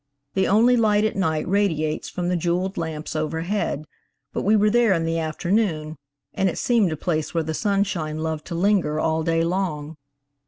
The only light at night radiates from the jeweled lamps overhead; but we were there in the afternoon, and it seemed a place where the sunshine loved to linger all day long.